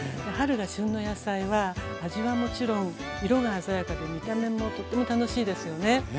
春が旬の野菜は味はもちろん色が鮮やかで見た目もとっても楽しいですよね。